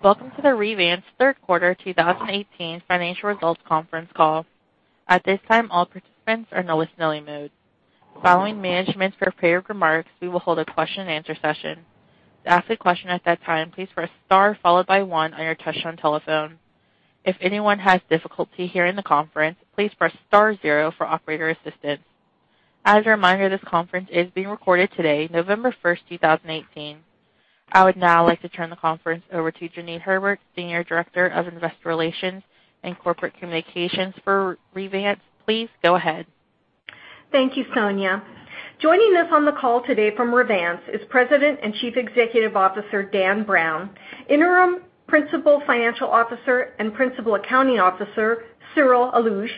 Welcome to the Revance third quarter 2018 financial results conference call. At this time, all participants are in listen-only mode. Following management's prepared remarks, we will hold a question and answer session. To ask a question at that time, please press star followed by one on your touchtone telephone. If anyone has difficulty hearing the conference, please press star zero for operator assistance. As a reminder, this conference is being recorded today, November 1st, 2018. I would now like to turn the conference over to Jeanie Herbert, Senior Director of Investor Relations and Corporate Communications for Revance. Please go ahead. Thank you, Sonia. Joining us on the call today from Revance is President and Chief Executive Officer, Dan Browne, Interim Principal Financial Officer and Principal Accounting Officer, Cyril Allouche,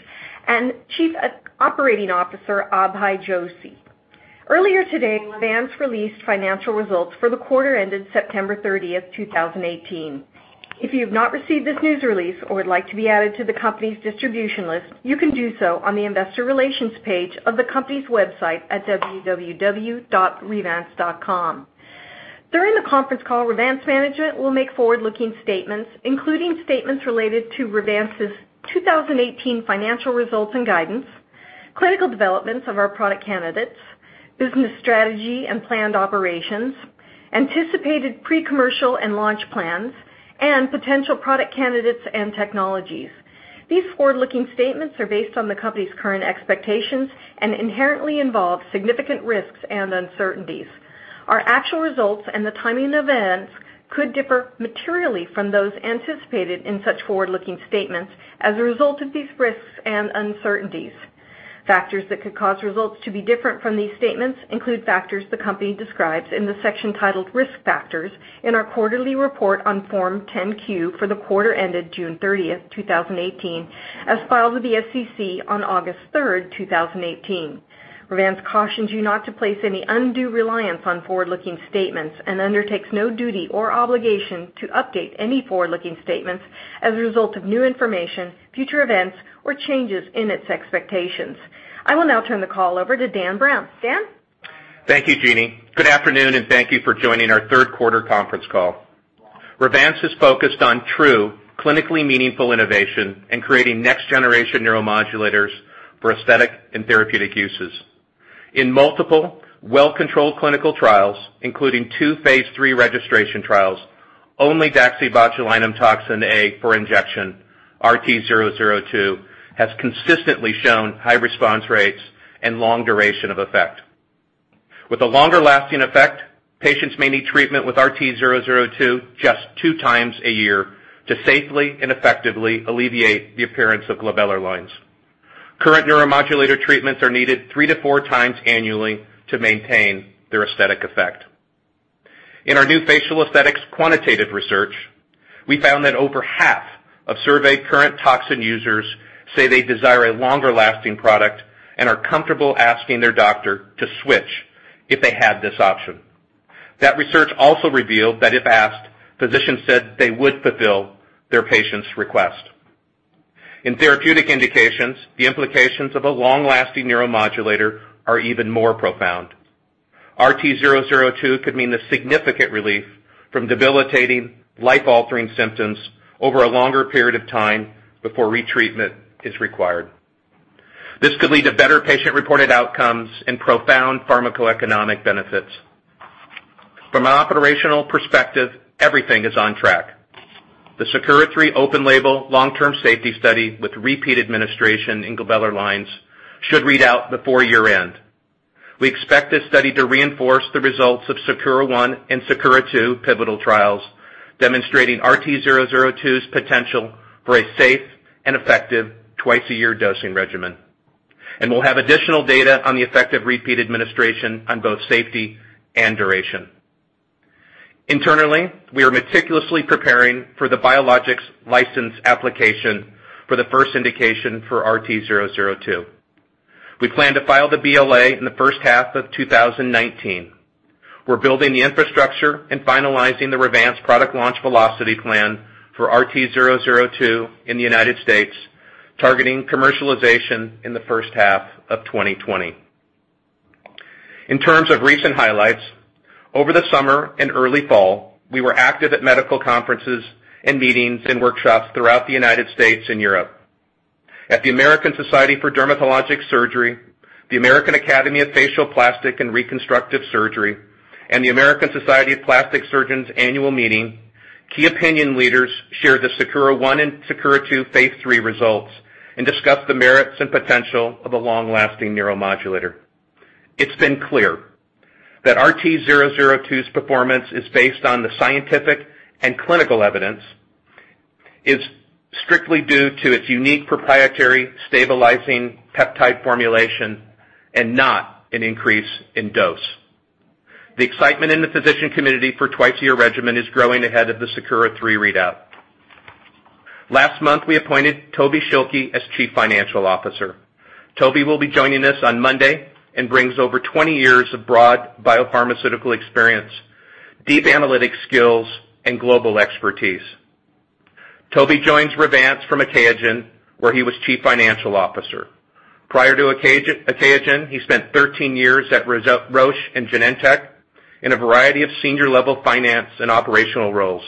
and Chief Operating Officer, Abhay Joshi. Earlier today, Revance released financial results for the quarter ended September 30th, 2018. If you have not received this news release or would like to be added to the company's distribution list, you can do so on the investor relations page of the company's website at www.revance.com. During the conference call, Revance management will make forward-looking statements, including statements related to Revance's 2018 financial results and guidance, clinical developments of our product candidates, business strategy and planned operations, anticipated pre-commercial and launch plans, and potential product candidates and technologies. These forward-looking statements are based on the company's current expectations and inherently involve significant risks and uncertainties. Our actual results and the timing of events could differ materially from those anticipated in such forward-looking statements as a result of these risks and uncertainties. Factors that could cause results to be different from these statements include factors the company describes in the section titled Risk Factors in our quarterly report on Form 10-Q for the quarter ended June 30th, 2018, as filed with the SEC on August 3rd, 2018. Revance cautions you not to place any undue reliance on forward-looking statements and undertakes no duty or obligation to update any forward-looking statements as a result of new information, future events, or changes in its expectations. I will now turn the call over to Dan Browne. Dan? Thank you, Jeanie. Good afternoon, and thank you for joining our third quarter conference call. Revance is focused on true clinically meaningful innovation and creating next generation neuromodulators for aesthetic and therapeutic uses. In multiple well-controlled clinical trials, including two phase III registration trials, only DaxibotulinumtoxinA for Injection, RT002, has consistently shown high response rates and long duration of effect. With a longer lasting effect, patients may need treatment with RT002 just two times a year to safely and effectively alleviate the appearance of glabellar lines. Current neuromodulator treatments are needed three to four times annually to maintain their aesthetic effect. In our new facial aesthetics quantitative research, we found that over half of surveyed current toxin users say they desire a longer lasting product and are comfortable asking their doctor to switch if they had this option. That research also revealed that if asked, physicians said they would fulfill their patient's request. In therapeutic indications, the implications of a long-lasting neuromodulator are even more profound. RT002 could mean a significant relief from debilitating, life-altering symptoms over a longer period of time before retreatment is required. This could lead to better patient-reported outcomes and profound pharmacoeconomic benefits. From an operational perspective, everything is on track. The SAKURA 3 open-label long-term safety study with repeat administration in glabellar lines should read out before year-end. We expect this study to reinforce the results of SAKURA 1 and SAKURA 2 pivotal trials, demonstrating RT002's potential for a safe and effective twice-a-year dosing regimen. We'll have additional data on the effect of repeat administration on both safety and duration. Internally, we are meticulously preparing for the Biologics License Application for the first indication for RT002. We plan to file the BLA in the first half of 2019. We're building the infrastructure and finalizing the Revance product launch velocity plan for RT002 in the U.S., targeting commercialization in the first half of 2020. In terms of recent highlights, over the summer and early fall, we were active at medical conferences and meetings and workshops throughout the U.S. and Europe. At the American Society for Dermatologic Surgery, the American Academy of Facial Plastic and Reconstructive Surgery, and the American Society of Plastic Surgeons annual meeting, key opinion leaders shared the SAKURA 1 and SAKURA 2 phase III results and discussed the merits and potential of a long-lasting neuromodulator. It's been clear that RT002's performance is based on the scientific and clinical evidence, is strictly due to its unique proprietary stabilizing peptide formulation and not an increase in dose. The excitement in the physician community for twice-a-year regimen is growing ahead of the SAKURA 3 readout. Last month, we appointed Toby Schilke as Chief Financial Officer. Toby will be joining us on Monday and brings over 20 years of broad biopharmaceutical experience, deep analytics skills, and global expertise. Toby joins Revance from Achaogen, where he was Chief Financial Officer. Prior to Achaogen, he spent 13 years at Roche and Genentech in a variety of senior-level finance and operational roles.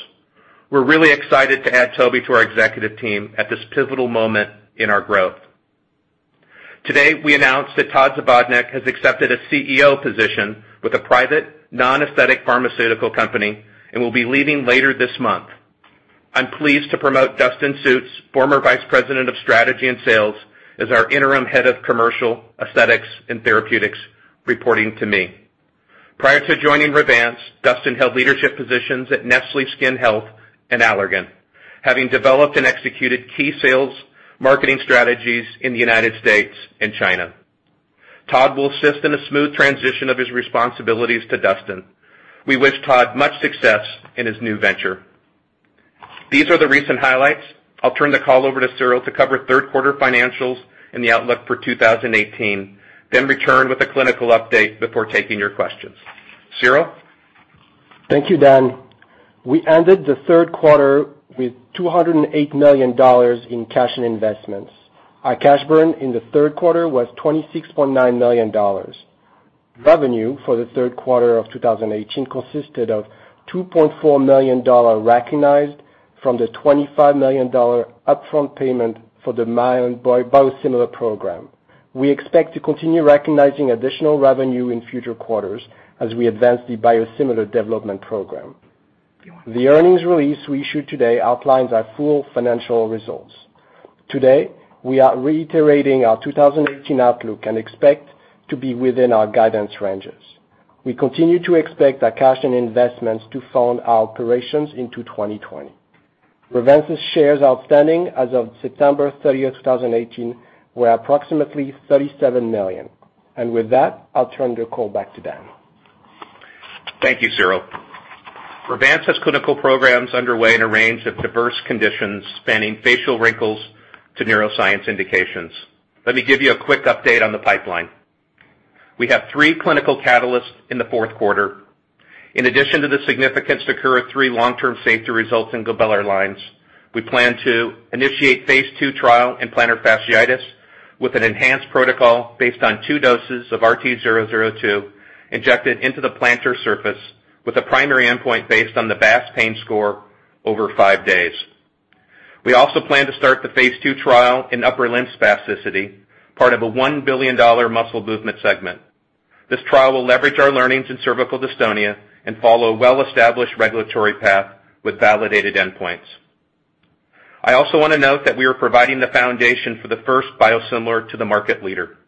We're really excited to add Toby to our executive team at this pivotal moment in our growth. Today, we announced that Todd Zavodnick has accepted a CEO position with a private non-aesthetic pharmaceutical company and will be leaving later this month. I'm pleased to promote Dustin Sjuts, former Vice President of Strategy and Sales, as our Interim Head of Commercial Aesthetics and Therapeutics, reporting to me. Prior to joining Revance, Dustin held leadership positions at Nestlé Skin Health and Allergan, having developed and executed key sales marketing strategies in the U.S. and China. Todd will assist in a smooth transition of his responsibilities to Dustin. We wish Todd much success in his new venture. These are the recent highlights. I'll turn the call over to Cyril to cover third quarter financials and the outlook for 2018, then return with a clinical update before taking your questions. Cyril? Thank you, Dan. We ended the third quarter with $208 million in cash and investments. Our cash burn in the third quarter was $26.9 million. Revenue for the third quarter of 2018 consisted of $2.4 million recognized from the $25 million upfront payment for the Mylan biosimilar program. We expect to continue recognizing additional revenue in future quarters as we advance the biosimilar development program. The earnings release we issued today outlines our full financial results. Today, we are reiterating our 2018 outlook and expect to be within our guidance ranges. We continue to expect our cash and investments to fund our operations into 2020. Revance's shares outstanding as of September 30th, 2018, were approximately 37 million. With that, I'll turn the call back to Dan. Thank you, Cyril. Revance has clinical programs underway in a range of diverse conditions, spanning facial wrinkles to neuroscience indications. Let me give you a quick update on the pipeline. We have three clinical catalysts in the fourth quarter. In addition to the significant SAKURA 3 long-term safety results in glabellar lines, we plan to initiate phase II trial in plantar fasciitis with an enhanced protocol based on two doses of RT002 injected into the plantar surface with a primary endpoint based on the VAS pain score over five days. We also plan to start the phase II trial in upper limb spasticity, part of a $1 billion muscle movement segment. This trial will leverage our learnings in cervical dystonia and follow a well-established regulatory path with validated endpoints. I also want to note that we are providing the foundation for the first biosimilar to the market leader.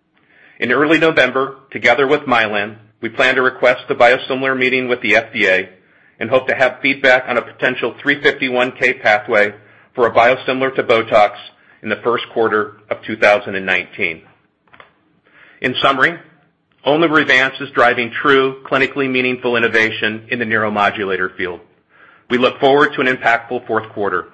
In early November, together with Mylan, we plan to request the biosimilar meeting with the FDA and hope to have feedback on a potential 351 pathway for a biosimilar to BOTOX in the first quarter of 2019. In summary, only Revance is driving true clinically meaningful innovation in the neuromodulator field. We look forward to an impactful fourth quarter.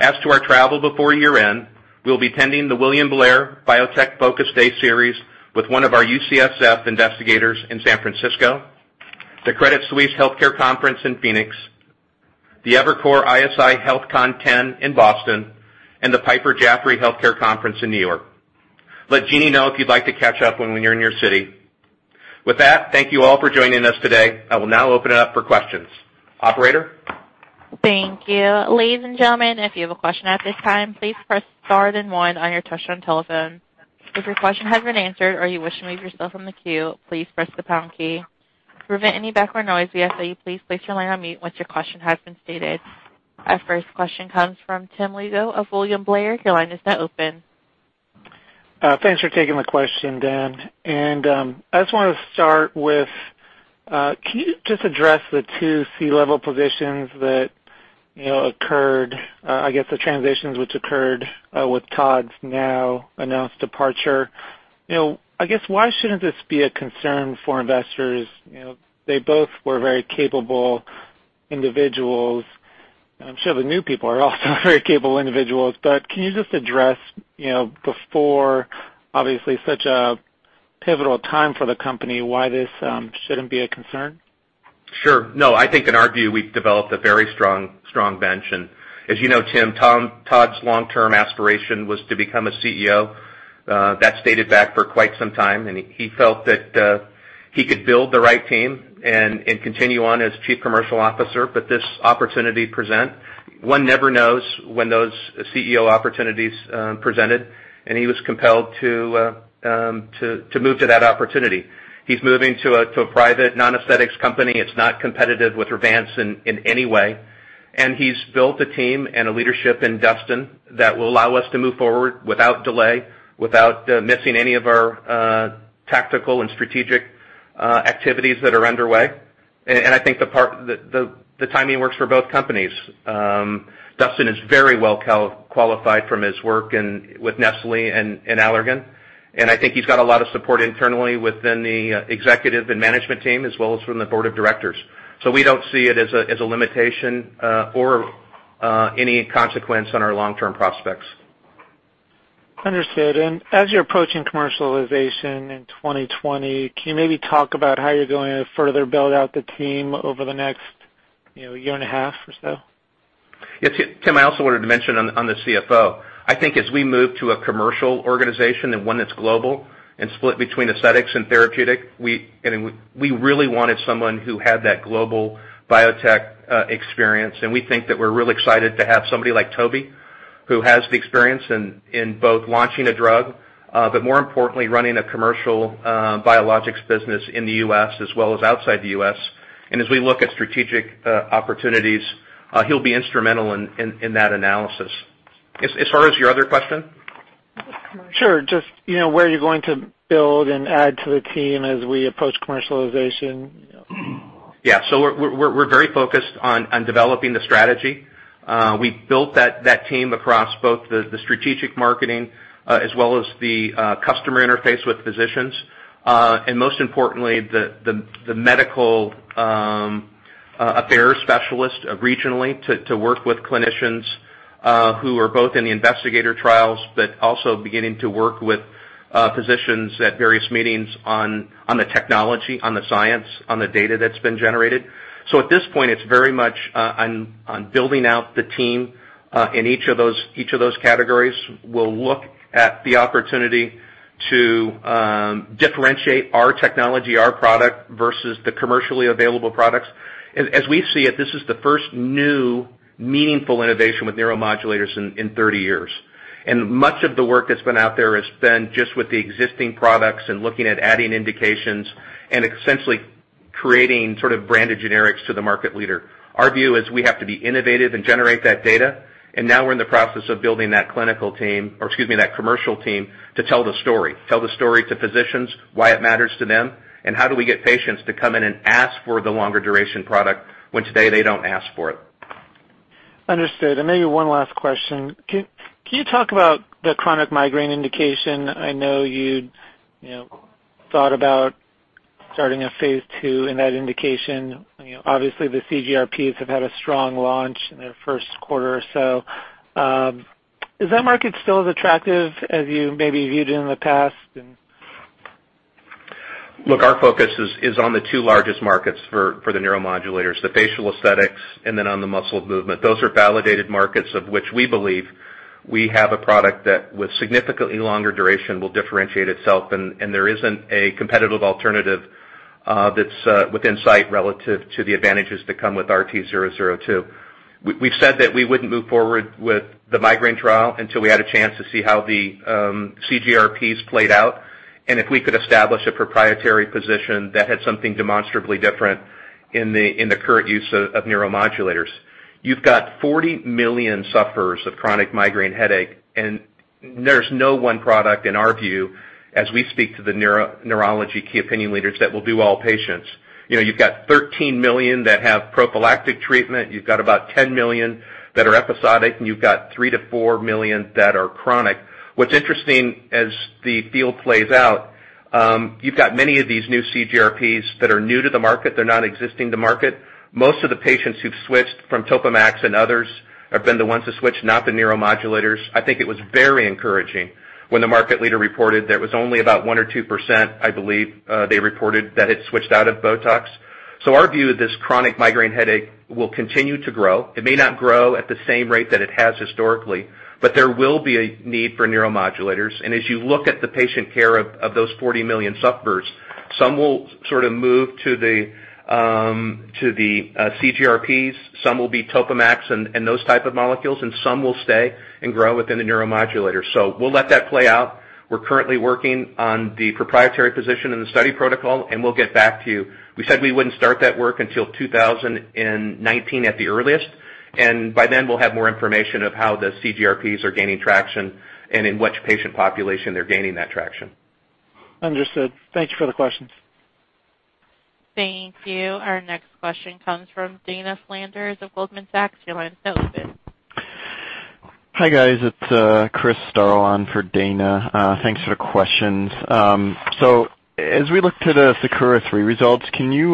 As to our travel before year-end, we'll be attending the William Blair Biotech Focus Day series with one of our UCSF investigators in San Francisco, the Credit Suisse Healthcare Conference in Phoenix, the Evercore ISI HealthCONx Conference in Boston, and the Piper Jaffray Healthcare Conference in New York. Let Jeanie know if you'd like to catch up when we're in your city. With that, thank you all for joining us today. I will now open it up for questions. Operator? Thank you. Ladies and gentlemen, if you have a question at this time, please press star then one on your touch-tone telephone. If your question has been answered or you wish to remove yourself from the queue, please press the pound key. To prevent any background noise, we ask that you please place your line on mute once your question has been stated. Our first question comes from Tim Lugo of William Blair. Your line is now open. I just wanted to start with, can you just address the two C-level positions that occurred, I guess, the transitions which occurred with Todd's now announced departure? I guess why shouldn't this be a concern for investors? They both were very capable individuals. I'm sure the new people are also very capable individuals. Can you just address before, obviously, such a pivotal time for the company, why this shouldn't be a concern? Sure. No, I think in our view, we've developed a very strong bench. As you know, Tim, Todd's long-term aspiration was to become a CEO. That stated back for quite some time, and he felt that he could build the right team and continue on as Chief Commercial Officer. This opportunity present, one never knows when those CEO opportunities presented, and he was compelled to move to that opportunity. He's moving to a private non-aesthetics company. It's not competitive with Revance in any way. He's built a team and a leadership in Dustin that will allow us to move forward without delay, without missing any of our tactical and strategic activities that are underway. I think the timing works for both companies. Dustin is very well qualified from his work with Nestlé and Allergan, I think he's got a lot of support internally within the executive and management team as well as from the board of directors. We don't see it as a limitation or any consequence on our long-term prospects. Understood. As you're approaching commercialization in 2020, can you maybe talk about how you're going to further build out the team over the next year and a half or so? Tim, I also wanted to mention on the CFO, I think as we move to a commercial organization and one that's global and split between aesthetics and therapeutic, we really wanted someone who had that global biotech experience. We think that we're really excited to have somebody like Toby, who has the experience in both launching a drug, but more importantly, running a commercial, biologics business in the U.S. as well as outside the U.S. As we look at strategic opportunities, he'll be instrumental in that analysis. As far as your other question? Sure. Just where you're going to build and add to the team as we approach commercialization. We're very focused on developing the strategy. We built that team across both the strategic marketing, as well as the customer interface with physicians. Most importantly, the medical affairs specialist regionally to work with clinicians, who are both in the investigator trials, but also beginning to work with physicians at various meetings on the technology, on the science, on the data that's been generated. At this point, it's very much on building out the team, in each of those categories. We'll look at the opportunity to differentiate our technology, our product versus the commercially available products. As we see it, this is the first new meaningful innovation with neuromodulators in 30 years. Much of the work that's been out there has been just with the existing products and looking at adding indications and essentially creating sort of branded generics to the market leader. Our view is we have to be innovative and generate that data. Now we're in the process of building that clinical team, or excuse me, that commercial team to tell the story. Tell the story to physicians, why it matters to them, how do we get patients to come in and ask for the longer duration product, when today they don't ask for it. Understood. Maybe one last question. Can you talk about the chronic migraine indication? I know you thought about starting a phase II in that indication. Obviously, the CGRPs have had a strong launch in their first quarter or so. Is that market still as attractive as you maybe viewed in the past and? Look, our focus is on the two largest markets for the neuromodulators, the facial aesthetics and then on the muscle movement. Those are validated markets of which we believe we have a product that with significantly longer duration, will differentiate itself, and there isn't a competitive alternative that's within sight relative to the advantages that come with RT002. We've said that we wouldn't move forward with the migraine trial until we had a chance to see how the CGRPs played out, and if we could establish a proprietary position that had something demonstrably different in the current use of neuromodulators. You've got 40 million sufferers of chronic migraine headache, and there's no one product, in our view, as we speak to the neurology key opinion leaders that will do all patients. You've got 13 million that have prophylactic treatment. You've got about 10 million that are episodic, and you've got 3 million-4 million that are chronic. What's interesting as the field plays out, you've got many of these new CGRPs that are new to the market. They're not existing to market. Most of the patients who've switched from TOPAMAX and others have been the ones to switch, not the neuromodulators. I think it was very encouraging when the market leader reported there was only about 1% or 2%, I believe, they reported that it switched out of BOTOX. Our view of this chronic migraine headache will continue to grow. It may not grow at the same rate that it has historically, but there will be a need for neuromodulators. As you look at the patient care of those 40 million sufferers, some will sort of move to the CGRPs. Some will be TOPAMAX and those type of molecules, and some will stay and grow within the neuromodulator. We'll let that play out. We're currently working on the proprietary position and the study protocol, and we'll get back to you. We said we wouldn't start that work until 2019 at the earliest, and by then we'll have more information of how the CGRPs are gaining traction and in which patient population they're gaining that traction. Understood. Thank you for the questions. Thank you. Our next question comes from Dana Flanders of Goldman Sachs. Your line's open. Hi, guys. It's Christopher Staral in for Dana. Thanks for the questions. As we look to the SAKURA 3 results, can you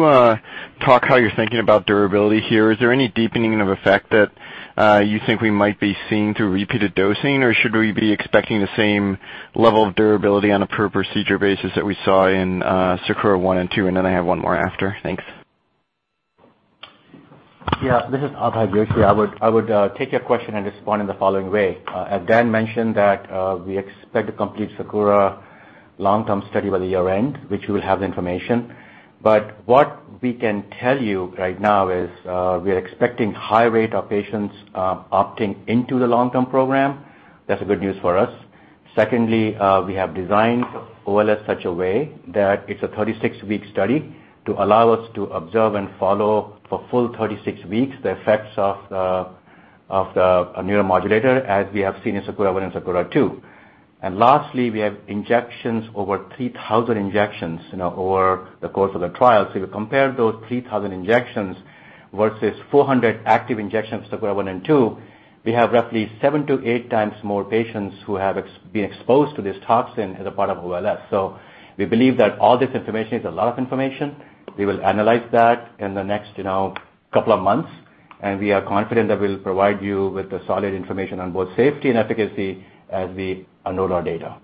talk how you're thinking about durability here? Is there any deepening of effect that you think we might be seeing through repeated dosing, or should we be expecting the same level of durability on a per procedure basis that we saw in SAKURA 1 and 2? I have one more after. Thanks. This is Abhay Joshi. I would take your question and respond in the following way. Dan mentioned that we expect to complete SAKURA long-term study by the year-end, which we will have the information. What we can tell you right now is, we are expecting high rate of patients opting into the long-term program. That's good news for us. Secondly, we have designed OLS such a way that it's a 36-week study to allow us to observe and follow for full 36 weeks, the effects of the neuromodulator, as we have seen in SAKURA 1 and SAKURA 2. We have injections over 3,000 injections over the course of the trial. If you compare those 3,000 injections versus 400 active injections in SAKURA 1 and 2, we have roughly seven to eight times more patients who have been exposed to this toxin as a part of OLS. We believe that all this information is a lot of information. We will analyze that in the next couple of months. And we are confident that we'll provide you with the solid information on both safety and efficacy as we unload our data.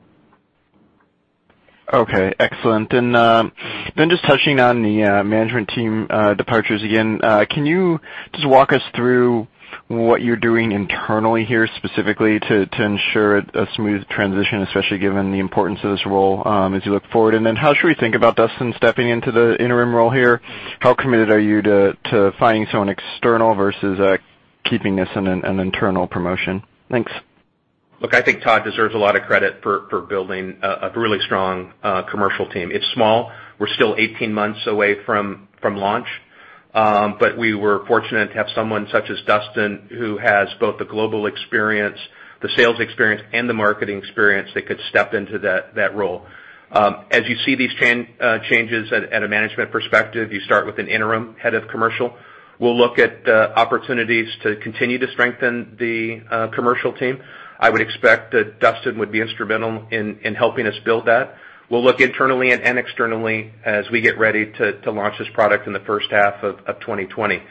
Okay. Excellent. Just touching on the management team departures again, can you just walk us through what you're doing internally here, specifically to ensure a smooth transition, especially given the importance of this role as you look forward? How should we think about Dustin stepping into the interim role here? How committed are you to finding someone external versus keeping this an internal promotion? Thanks. Look, I think Todd deserves a lot of credit for building a really strong commercial team. It's small. We're still 18 months away from launch. We were fortunate to have someone such as Dustin, who has both the global experience, the sales experience, and the marketing experience that could step into that role. As you see these changes at a management perspective, you start with an interim head of commercial. We'll look at opportunities to continue to strengthen the commercial team. I would expect that Dustin would be instrumental in helping us build that. We'll look internally and externally as we get ready to launch this product in the first half of 2020.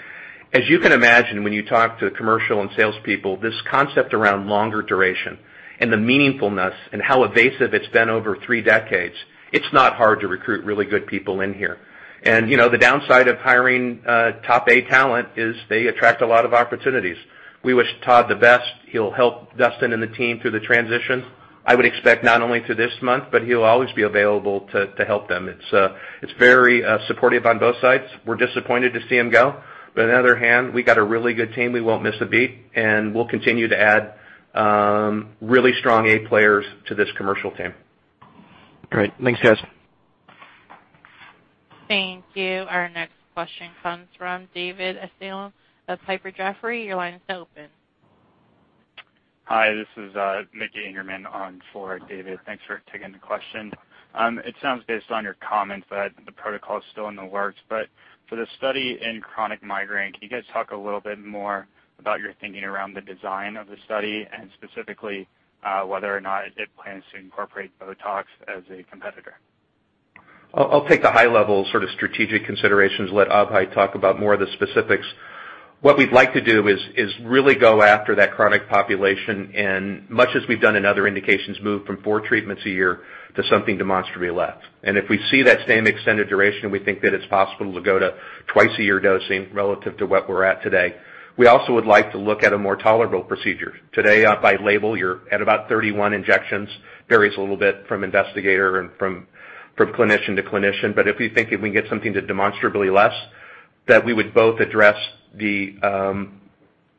As you can imagine, when you talk to commercial and sales people, this concept around longer duration and the meaningfulness and how evasive it's been over three decades, it's not hard to recruit really good people in here. The downside of hiring top A talent is they attract a lot of opportunities. We wish Todd the best. He'll help Dustin and the team through the transition, I would expect not only through this month, but he'll always be available to help them. It's very supportive on both sides. We're disappointed to see him go. On the other hand, we got a really good team. We won't miss a beat, and we'll continue to add really strong A players to this commercial team. Great. Thanks, guys. Thank you. Our next question comes from David Amsellem of Piper Jaffray. Your line is open. Hi, this is Mickey Ingerman on for David. Thanks for taking the question. It sounds based on your comments that the protocol is still in the works. For the study in chronic migraine, can you guys talk a little bit more about your thinking around the design of the study and specifically, whether or not it plans to incorporate BOTOX as a competitor? I'll take the high level sort of strategic considerations, let Abhay talk about more of the specifics. What we'd like to do is really go after that chronic population. Much as we've done in other indications, move from four treatments a year to something demonstrably less. If we see that same extended duration, we think that it's possible to go to twice-a-year dosing relative to what we're at today. We also would like to look at a more tolerable procedure. Today, by label, you're at about 31 injections. Varies a little bit from investigator and from clinician to clinician. If we think if we can get something to demonstrably less, that we would both address the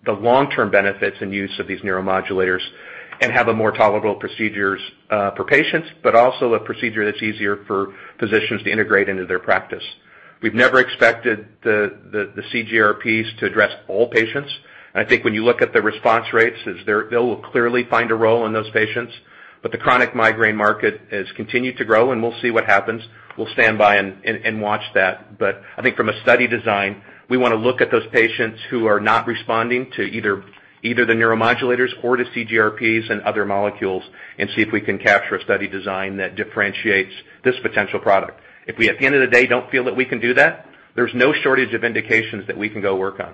long-term benefits and use of these neuromodulators and have a more tolerable procedures for patients, but also a procedure that's easier for physicians to integrate into their practice. We've never expected the CGRPs to address all patients. I think when you look at the response rates, they'll clearly find a role in those patients. The chronic migraine market has continued to grow. We'll see what happens. We'll stand by and watch that. I think from a study design, we want to look at those patients who are not responding to either the neuromodulators or to CGRPs and other molecules and see if we can capture a study design that differentiates this potential product. If we, at the end of the day, don't feel that we can do that, there's no shortage of indications that we can go work on.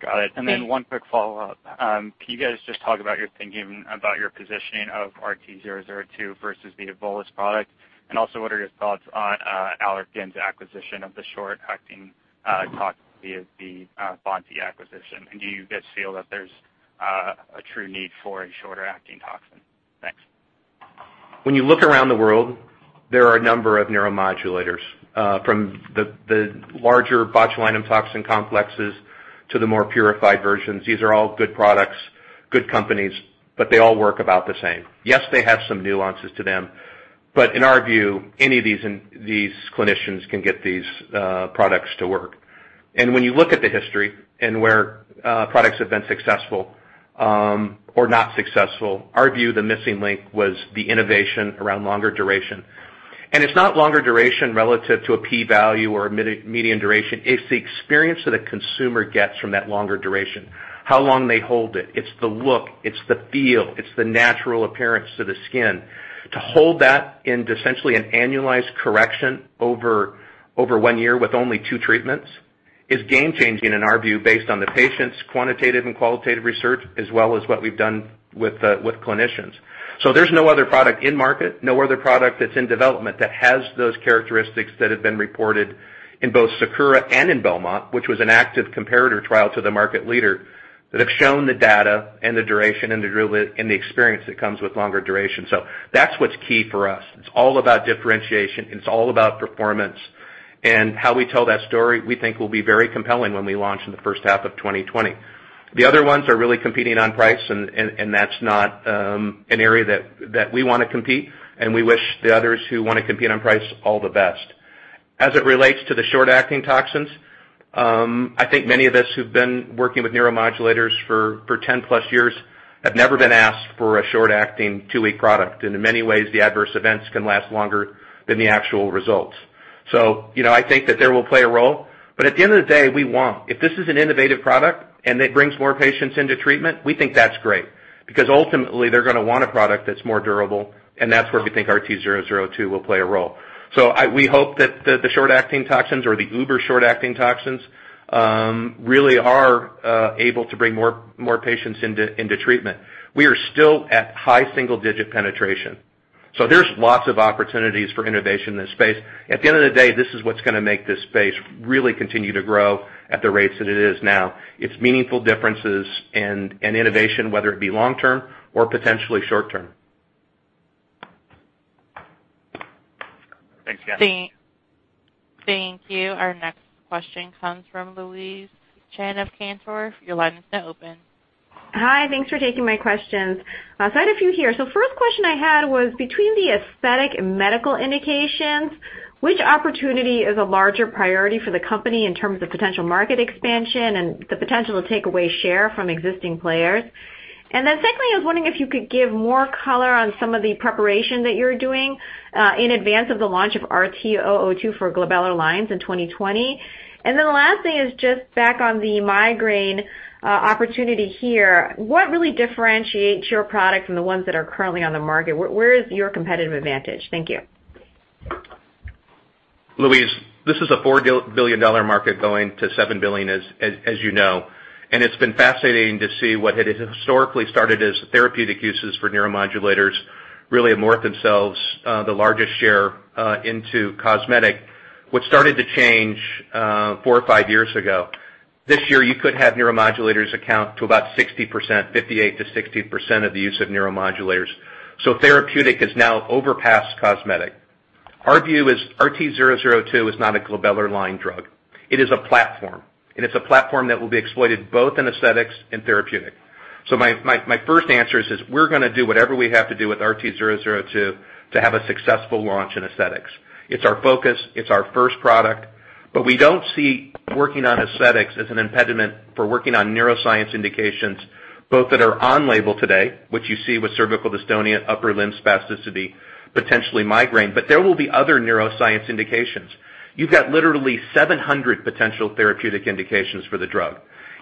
Got it. One quick follow-up. Can you guys just talk about your thinking about your positioning of RT002 versus the Evolus product? What are your thoughts on Allergan's acquisition of the short-acting toxin via the Bonti acquisition? Do you guys feel that there's a true need for a shorter-acting toxin? Thanks. When you look around the world, there are a number of neuromodulators. From the larger botulinum toxin complexes to the more purified versions. These are all good products, good companies. They all work about the same. Yes, they have some nuances to them. In our view, any of these clinicians can get these products to work. When you look at the history and where products have been successful or not successful, our view, the missing link was the innovation around longer duration. It's not longer duration relative to a P value or a median duration. It's the experience that a consumer gets from that longer duration. How long they hold it. It's the look, it's the feel. It's the natural appearance to the skin. To hold that into essentially an annualized correction over one year with only two treatments is game changing in our view, based on the patients' quantitative and qualitative research, as well as what we've done with clinicians. There's no other product in market, no other product that's in development that has those characteristics that have been reported in both SAKURA and in BELMONT, which was an active comparator trial to the market leader that have shown the data and the duration and the experience that comes with longer duration. That's what's key for us. It's all about differentiation. It's all about performance. How we tell that story, we think will be very compelling when we launch in the first half of 2020. The other ones are really competing on price. That's not an area that we want to compete. We wish the others who want to compete on price all the best. As it relates to the short-acting toxins, I think many of us who've been working with neuromodulators for 10+ years have never been asked for a short-acting 2-week product. In many ways, the adverse events can last longer than the actual results. I think that they will play a role. At the end of the day, if this is an innovative product and it brings more patients into treatment, we think that's great. Because ultimately, they're going to want a product that's more durable, and that's where we think RT002 will play a role. We hope that the short-acting toxins or the uber short-acting toxins really are able to bring more patients into treatment. We are still at high single-digit penetration. There's lots of opportunities for innovation in this space. At the end of the day, this is what's going to make this space really continue to grow at the rates that it is now. It's meaningful differences and innovation, whether it be long-term or potentially short-term. Thanks, guys. Thank you. Our next question comes from Louise Chen of Cantor. Your line is now open. Hi. Thanks for taking my questions. I had a few here. First question I had was, between the aesthetic and medical indications, which opportunity is a larger priority for the company in terms of potential market expansion and the potential to take away share from existing players? Secondly, I was wondering if you could give more color on some of the preparation that you're doing in advance of the launch of RT002 for glabellar lines in 2020. The last thing is just back on the migraine opportunity here. What really differentiates your product from the ones that are currently on the market? Where is your competitive advantage? Thank you. Louise, this is a $4 billion market going to $7 billion, as you know. It's been fascinating to see what had historically started as therapeutic uses for neuromodulators really amort themselves the largest share into cosmetic, which started to change four or five years ago. This year, you could have neuromodulators account to about 60%, 58%-60% of the use of neuromodulators. Therapeutic has now overpassed cosmetic. Our view is RT002 is not a glabellar line drug. It is a platform, and it's a platform that will be exploited both in aesthetics and therapeutic. My first answer is we're going to do whatever we have to do with RT002 to have a successful launch in aesthetics. It's our focus. It's our first product, we don't see working on aesthetics as an impediment for working on neuroscience indications, both that are on label today, which you see with cervical dystonia, upper limb spasticity, potentially migraine. There will be other neuroscience indications. You've got literally 700 potential therapeutic indications for the drug.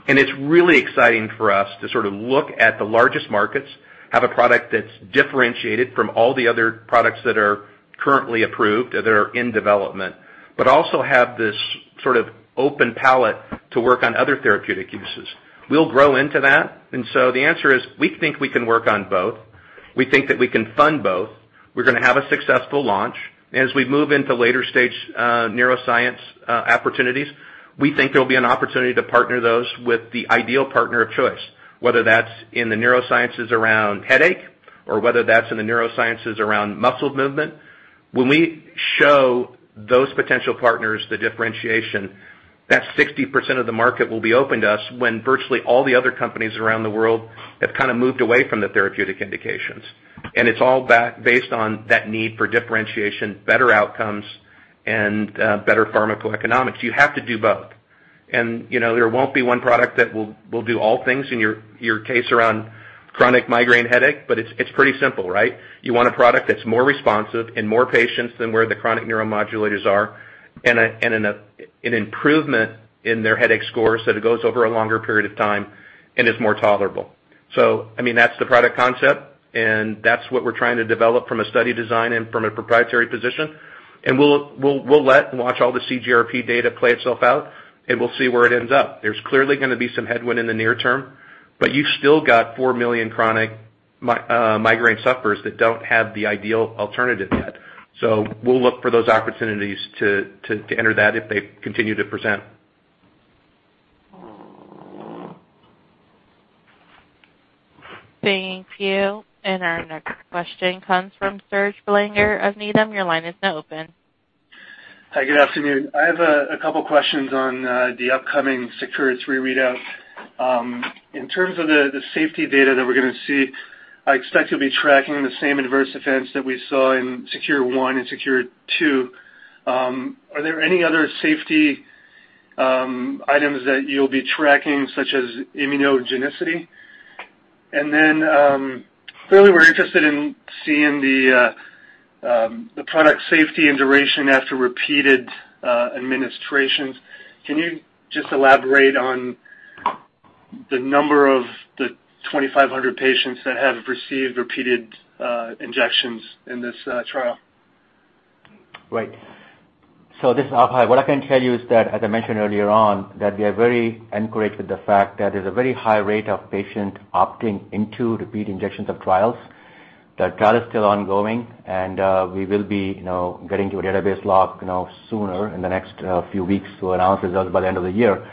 It's really exciting for us to sort of look at the largest markets, have a product that's differentiated from all the other products that are currently approved, that are in development, but also have this sort of open palette to work on other therapeutic uses. We'll grow into that. The answer is, we think we can work on both. We think that we can fund both. We're going to have a successful launch. As we move into later stage neuroscience opportunities, we think there will be an opportunity to partner those with the ideal partner of choice, whether that's in the neurosciences around headache or whether that's in the neurosciences around muscle movement. When we show those potential partners the differentiation, that 60% of the market will be open to us when virtually all the other companies around the world have kind of moved away from the therapeutic indications. It's all based on that need for differentiation, better outcomes, and better pharmacoeconomics. You have to do both. There won't be one product that will do all things in your case around chronic migraine headache. It's pretty simple, right? You want a product that's more responsive in more patients than where the chronic neuromodulators are and an improvement in their headache score, so that it goes over a longer period of time and is more tolerable. I mean, that's the product concept, and that's what we're trying to develop from a study design and from a proprietary position. We'll let and watch all the CGRP data play itself out, and we'll see where it ends up. There's clearly going to be some headwind in the near term, but you've still got 4 million chronic migraine sufferers that don't have the ideal alternative yet. We'll look for those opportunities to enter that if they continue to present. Thank you. Our next question comes from Serge Belanger of Needham. Your line is now open. Hi, good afternoon. I have a couple questions on the upcoming SAKURA 3 readout. In terms of the safety data that we're going to see, I expect you'll be tracking the same adverse events that we saw in SAKURA 1 and SAKURA 2. Are there any other safety items that you'll be tracking, such as immunogenicity? Clearly we're interested in seeing the product safety and duration after repeated administrations. Can you just elaborate on the number of the 2,500 patients that have received repeated injections in this trial? Right. This is Abhay. What I can tell you is that, as I mentioned earlier on, that we are very encouraged with the fact that there's a very high rate of patient opting into repeat injections of trials. The trial is still ongoing, and we will be getting to a database lock sooner in the next few weeks to announce results by the end of the year.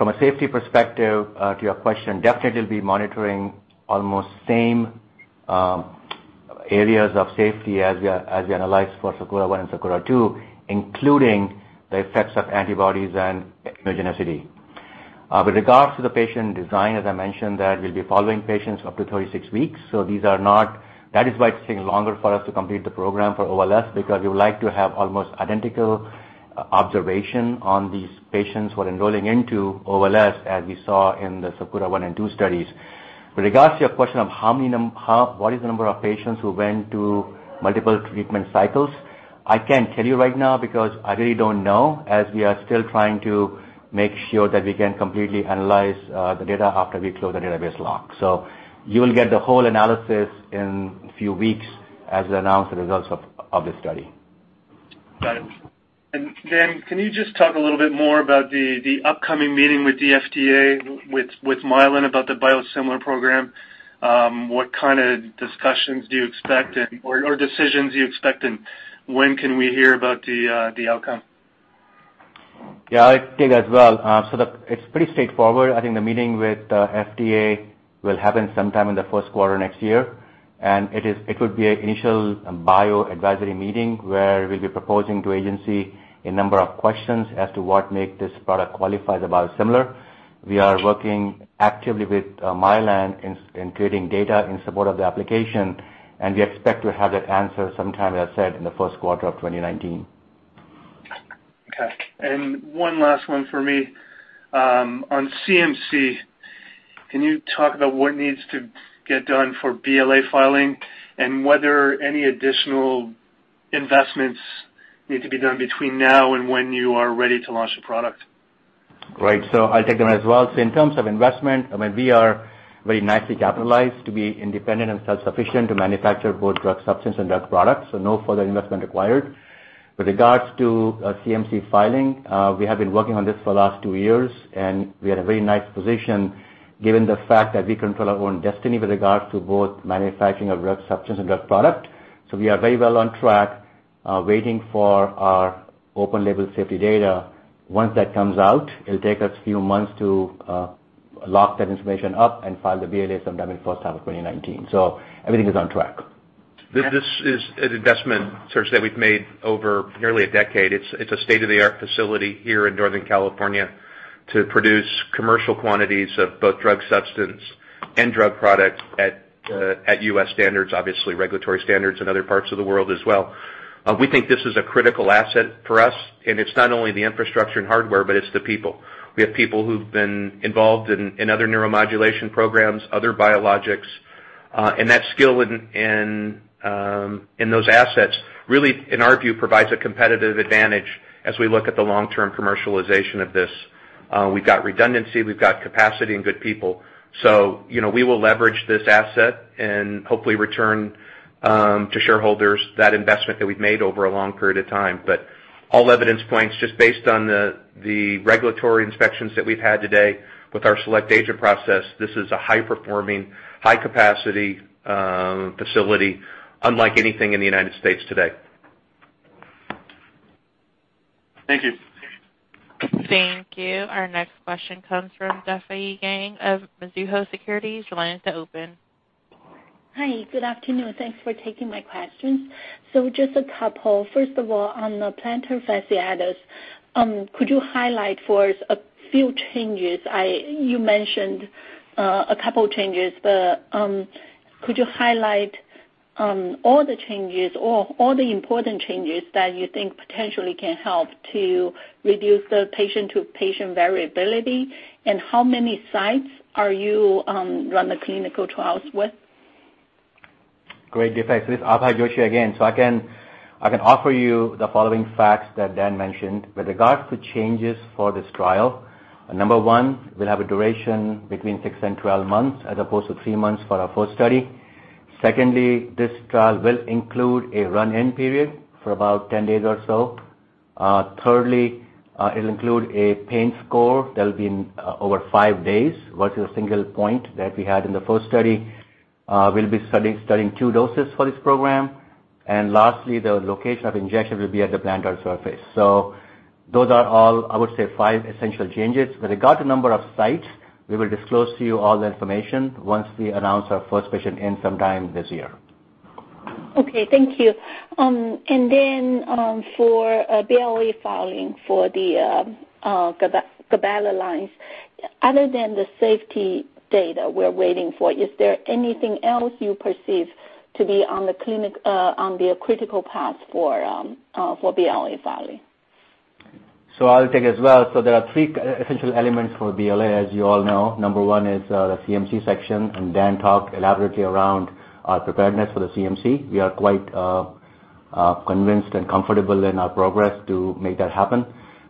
From a safety perspective to your question, definitely we'll be monitoring almost same areas of safety as we analyzed for SAKURA 1 and SAKURA 2, including the effects of antibodies and immunogenicity. With regards to the patient design, as I mentioned, that we'll be following patients up to 36 weeks. That is why it's taking longer for us to complete the program for OLS, because we would like to have almost identical observation on these patients who are enrolling into OLS, as we saw in the SAKURA 1 and 2 studies. With regards to your question of what is the number of patients who went to multiple treatment cycles, I can't tell you right now because I really don't know, as we are still trying to make sure that we can completely analyze the data after we close the database lock. You will get the whole analysis in a few weeks as we announce the results of this study. Got it. Dan, can you just talk a little bit more about the upcoming meeting with the FDA, with Mylan about the biosimilar program? What kind of discussions do you expect, or decisions do you expect, and when can we hear about the outcome? I'll take that as well. It's pretty straightforward. I think the meeting with FDA will happen sometime in the first quarter next year. It would be an initial pre-BLA advisory meeting where we'll be proposing to agency a number of questions as to what make this product qualifies a biosimilar. We are working actively with Mylan in creating data in support of the application, we expect to have that answer sometime, as I said, in the first quarter of 2019. Okay. One last one for me. On CMC, can you talk about what needs to get done for BLA filing and whether any additional investments need to be done between now and when you are ready to launch the product? Right. I'll take that as well. In terms of investment, we are very nicely capitalized to be independent and self-sufficient to manufacture both drug substance and drug products, so no further investment required. With regards to CMC filing, we have been working on this for the last two years. We are in a very nice position given the fact that we control our own destiny with regards to both manufacturing of drug substance and drug product. We are very well on track, waiting for our open label safety data. Once that comes out, it'll take us a few months to lock that information up and file the BLA sometime in first half of 2019. Everything is on track. This is an investment, Serge, that we've made over nearly a decade. It's a state-of-the-art facility here in Northern California to produce commercial quantities of both drug substance and drug product at U.S. standards, obviously regulatory standards in other parts of the world as well. We think this is a critical asset for us. It's not only the infrastructure and hardware, but it's the people. We have people who've been involved in other neuromodulation programs, other biologics. That skill and those assets really, in our view, provides a competitive advantage as we look at the long-term commercialization of this. We've got redundancy, we've got capacity and good people. We will leverage this asset and hopefully return to shareholders that investment that we've made over a long period of time. All evidence points, just based on the regulatory inspections that we've had to date with our Select Agent process, this is a high-performing, high-capacity facility unlike anything in the United States today. Thank you. Thank you. Our next question comes from Difei Yang of Mizuho Securities. Your line is now open. Hi, good afternoon. Thanks for taking my questions. Just a couple. First of all, on the plantar fasciitis, could you highlight for us a few changes? You mentioned a couple changes, but could you highlight all the changes or all the important changes that you think potentially can help to reduce the patient-to-patient variability? How many sites are you run the clinical trials with? Great, Difei. This is Abhay Joshi again. I can offer you the following facts that Dan mentioned. With regards to changes for this trial, number 1, we'll have a duration between six and 12 months as opposed to three months for our first study. Secondly, this trial will include a run-in period for about 10 days or so. Thirdly, it'll include a pain score that'll be over five days, versus a single point that we had in the first study. We'll be studying two doses for this program. Lastly, the location of injection will be at the plantar surface. Those are all, I would say, five essential changes. With regard to number of sites, we will disclose to you all the information once we announce our first patient in some time this year. Okay, thank you. Then for BLA filing for the glabellar lines, other than the safety data we're waiting for, is there anything else you perceive to be on the critical path for BLA filing? I'll take it as well. There are three essential elements for BLA, as you all know. Number one is the CMC section, and Dan talked elaborately around our preparedness for the CMC. We are quite convinced and comfortable in our progress to make that happen.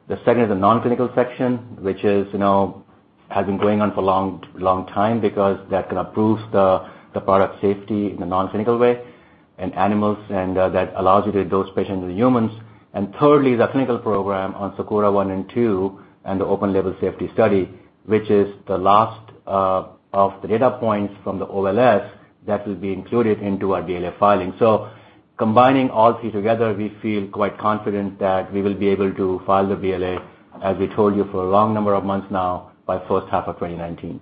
The second is the non-clinical section, which has been going on for long time because that kind of proves the product safety in a non-clinical way in animals, and that allows you to dose patients in humans. Thirdly, the clinical program on SAKURA 1 and 2 and the open-label safety study, which is the last of the data points from the OLS that will be included into our BLA filing. Combining all three together, we feel quite confident that we will be able to file the BLA, as we told you for a long number of months now, by first half of 2019.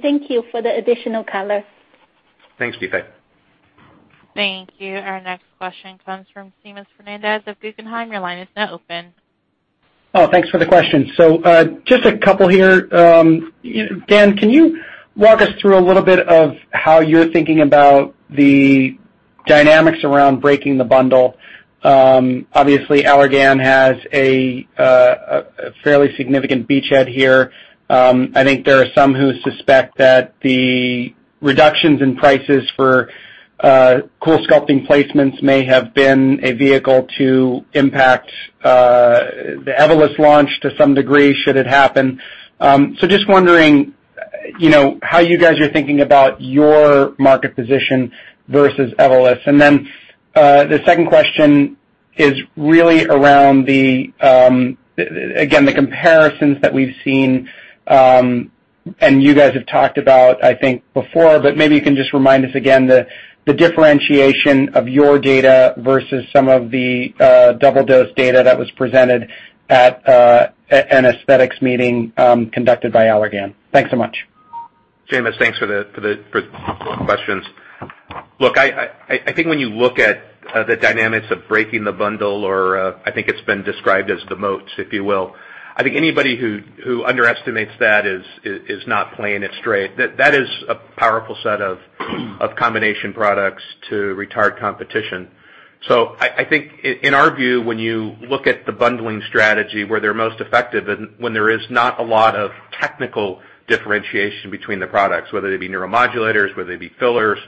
Thank you for the additional color. Thanks, Difei. Thank you. Our next question comes from Seamus Fernandez of Guggenheim. Your line is now open. Thanks for the question. Just a couple here. Dan, can you walk us through a little bit of how you're thinking about the dynamics around breaking the bundle? Allergan has a fairly significant beachhead here. I think there are some who suspect that the reductions in prices for CoolSculpting placements may have been a vehicle to impact the Evolus launch to some degree, should it happen. Just wondering, how you guys are thinking about your market position versus Evolus. The second question is really around the, again, the comparisons that we've seen, and you guys have talked about, I think before, but maybe you can just remind us again the differentiation of your data versus some of the double-dose data that was presented at an aesthetics meeting conducted by Allergan. Thanks so much. Seamus, thanks for the questions. When you look at the dynamics of breaking the bundle or I think it's been described as the moats, if you will. Anybody who underestimates that is not playing it straight. That is a powerful set of combination products to retard competition. In our view, when you look at the bundling strategy where they're most effective and when there is not a lot of technical differentiation between the products, whether they be neuromodulators, whether they be fillers.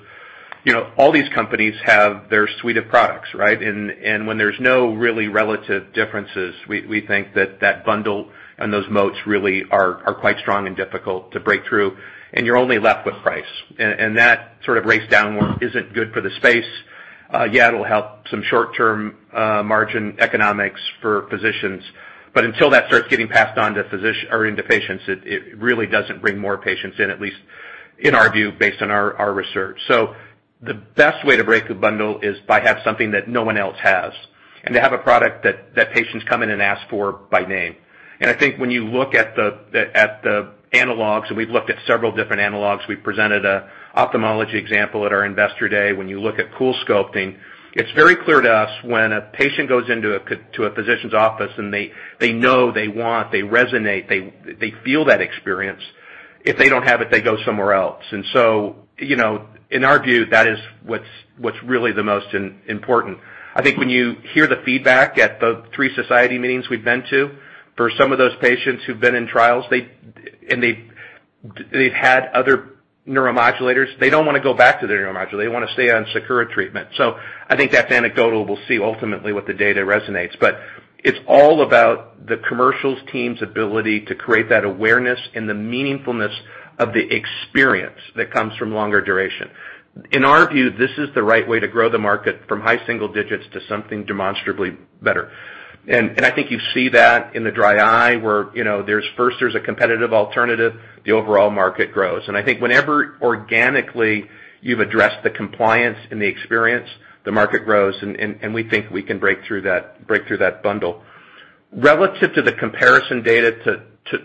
All these companies have their suite of products, right? When there's no really relative differences, we think that that bundle and those moats really are quite strong and difficult to break through, and you're only left with price. That sort of race downward isn't good for the space. It'll help some short-term margin economics for physicians, but until that starts getting passed on to physicians or into patients, it really doesn't bring more patients in, at least in our view, based on our research. The best way to break a bundle is by have something that no one else has, and to have a product that patients come in and ask for by name. When you look at the analogs, and we've looked at several different analogs, we've presented a ophthalmology example at our investor day. When you look at CoolSculpting, it's very clear to us when a patient goes into a physician's office and they know, they want, they resonate, they feel that experience. If they don't have it, they go somewhere else. In our view, that is what's really the most important. I think when you hear the feedback at the three society meetings we've been to, for some of those patients who've been in trials and they've had other neuromodulators, they don't want to go back to their neuromodulator. They want to stay on SAKURA treatment. I think that's anecdotal. We'll see ultimately what the data resonates, but it's all about the commercials team's ability to create that awareness and the meaningfulness of the experience that comes from longer duration. In our view, this is the right way to grow the market from high single digits to something demonstrably better. I think you see that in the dry eye where first there's a competitive alternative, the overall market grows. I think whenever organically you've addressed the compliance and the experience, the market grows, and we think we can break through that bundle. Relative to the comparison data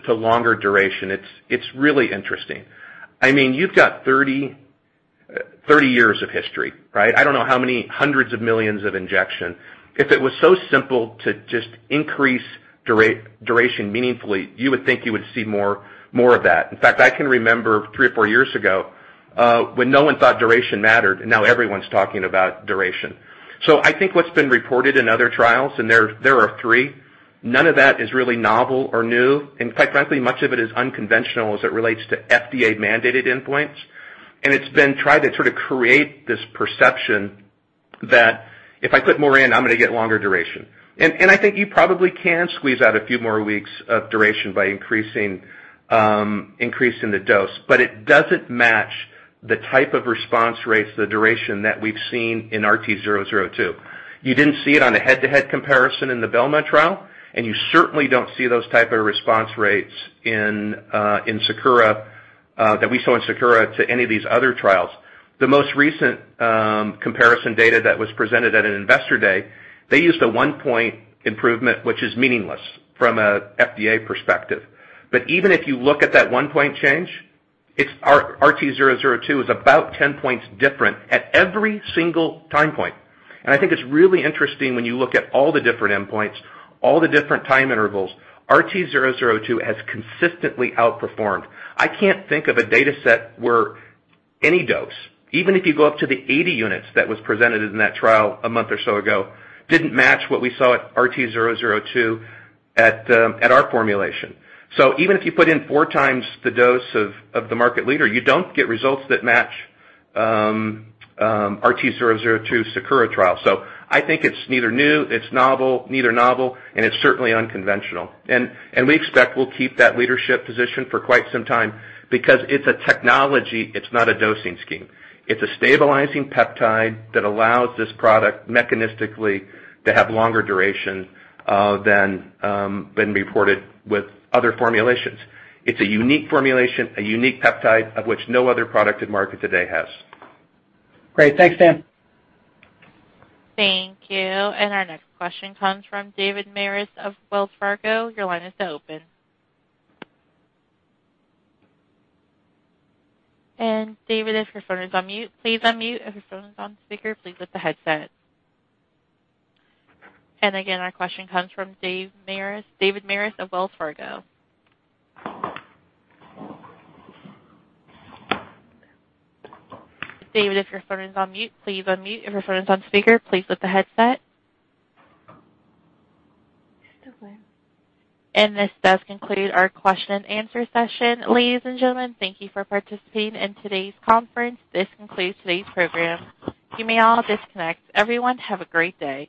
to longer duration, it's really interesting. You've got 30 years of history, right? I don't know how many hundreds of millions of injection. If it was so simple to just increase duration meaningfully, you would think you would see more of that. In fact, I can remember three or four years ago, when no one thought duration mattered, and now everyone's talking about duration. I think what's been reported in other trials, and there are three, none of that is really novel or new. Quite frankly, much of it is unconventional as it relates to FDA-mandated endpoints. It's been tried to sort of create this perception that if I put more in, I'm going to get longer duration. I think you probably can squeeze out a few more weeks of duration by increasing the dose. It doesn't match the type of response rates, the duration that we've seen in RT002. You didn't see it on a head-to-head comparison in the BELMONT trial, and you certainly don't see those type of response rates that we saw in SAKURA to any of these other trials. The most recent comparison data that was presented at an investor day, they used a one-point improvement, which is meaningless from an FDA perspective. Even if you look at that one-point change, our RT002 is about 10 points different at every single time point. I think it's really interesting when you look at all the different endpoints, all the different time intervals. RT002 has consistently outperformed. I can't think of a data set where any dose, even if you go up to the 80 units that was presented in that trial a month or so ago, didn't match what we saw at RT002 at our formulation. Even if you put in four times the dose of the market leader, you don't get results that match RT002 SAKURA trial. I think it's neither new, neither novel, and it's certainly unconventional. We expect we'll keep that leadership position for quite some time because it's a technology, it's not a dosing scheme. It's a stabilizing peptide that allows this product mechanistically to have longer duration than reported with other formulations. It's a unique formulation, a unique peptide of which no other product in market today has. Great. Thanks, Dan. Thank you. Our next question comes from David Maris of Wells Fargo. Your line is now open. David, if your phone is on mute, please unmute. If your phone is on speaker, please lift the headset. Again, our question comes from David Maris of Wells Fargo. David, if your phone is on mute, please unmute. If your phone is on speaker, please lift the headset. This does conclude our question and answer session. Ladies and gentlemen, thank you for participating in today's conference. This concludes today's program. You may all disconnect. Everyone, have a great day.